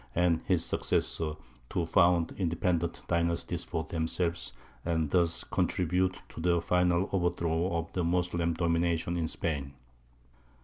and his successor, to found independent dynasties for themselves, and thus contribute to the final overthrow of the Moslem domination in Spain.